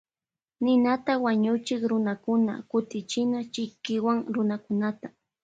Ninata wañuchik runakuna kutichana chikiwan runakunata.